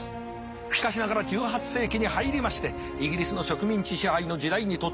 しかしながら１８世紀に入りましてイギリスの植民地支配の時代に突入。